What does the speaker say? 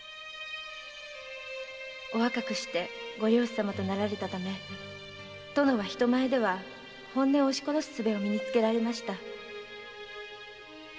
〔お若くしてご領主様となられたため殿は人前では本音を押し殺す術を身につけられました〕